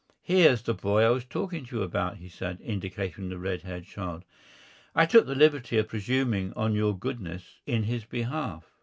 "Here's the boy I was talking to you about," he said, indicating the red haired child. "I took the liberty of presuming on your goodness in his behalf."